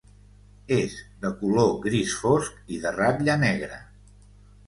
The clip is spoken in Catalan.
És de color gris fosc i de ratlla negra.